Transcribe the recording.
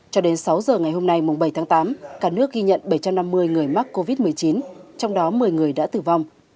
cho đến sáu giờ ngày hôm nay bảy tháng tám cả nước ghi nhận bảy trăm năm mươi người mắc covid một mươi chín trong đó một mươi người đã tử vong